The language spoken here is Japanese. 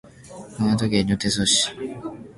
熊本県上天草市